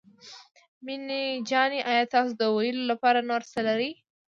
مينه جانې آيا تاسو د ويلو لپاره نور څه لرئ.